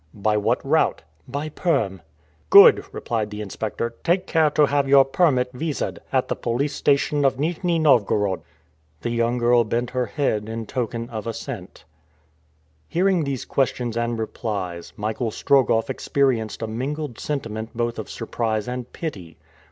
"By what route?" "By Perm." "Good!" replied the inspector. "Take care to have your permit viséd, at the police station of Nijni Novgorod." The young girl bent her head in token of assent. Hearing these questions and replies, Michael Strogoff experienced a mingled sentiment both of surprise and pity.